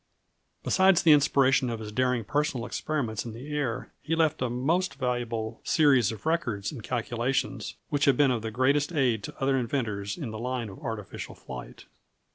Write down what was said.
Besides the inspiration of his daring personal experiments in the air, he left a most valuable series of records and calculations, which have been of the greatest aid to other inventors in the line of artificial flight.